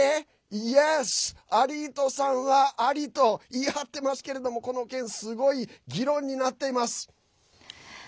Ｙｅｓ、アリートさんはアリと言い張ってますけどこの件すごい議論になっています。